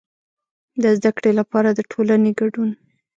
د زده کړې لپاره د ټولنې کډون.